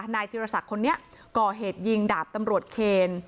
นายธิรศักดิ์คนนี้ก่อเหตุยิงดาบตำรวจเคน